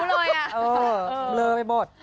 เบลอไปบท